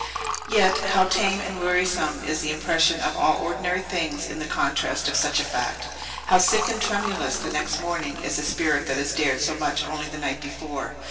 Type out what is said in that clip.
Yet how tame and wearisome is the impression of all ordinary things in the contrast with such a fact! How sick and tremulous, the next morning, is the spirit that has dared so much only the night before!